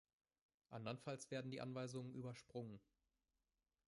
Andernfalls werden die Anweisungen übersprungen.